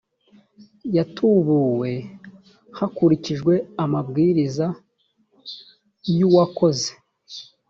yatubuwe hakurikijwe amabwiriza y uwakoze